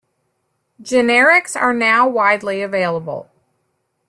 Generics are now widely available.